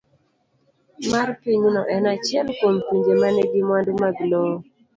C. mar Pinyno en achiel kuom pinje ma nigi mwandu mag lowo